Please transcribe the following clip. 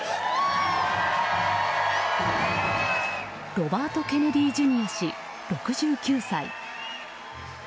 ロバート・ケネディ・ジュニア氏、６９歳。